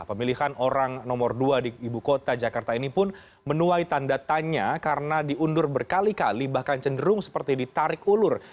pemilihan orang nomor dua di ibu kota jakarta ini pun menuai tanda tanya karena diundur berkali kali bahkan cenderung seperti ditarik ulur